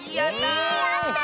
やった！